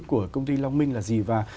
của công ty long minh là gì và